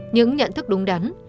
những nhận thức đúng đắn